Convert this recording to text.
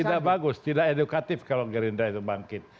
tidak bagus tidak edukatif kalau gerindra itu bangkit